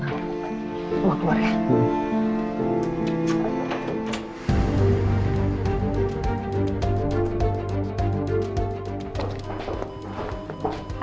mama keluar ya